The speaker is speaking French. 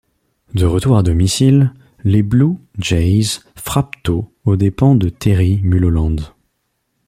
De retour à domicile, les Blue Jays frappent tôt aux dépens de Terry Mulholland.